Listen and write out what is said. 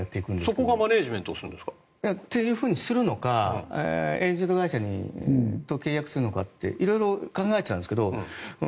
そこがマネジメントしていくんですか？というふうにするのかエージェント会社と契約するのか色々考えていたんですが。